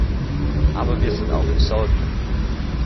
Aber wir sind auch besorgt.